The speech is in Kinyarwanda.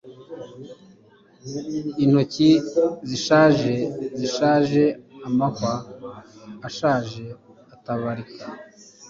Intoki zishaje zishaje amahwa ashaje atabarika